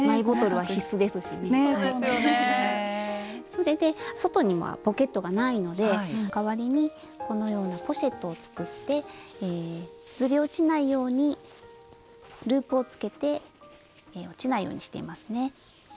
それで外にはポケットがないので代わりにこのようなポシェットを作ってずり落ちないようにループをつけて落ちないようにしていますね。